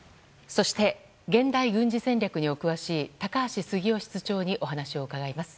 そして現代軍事戦略にお詳しい高橋杉雄室長にお話を伺います。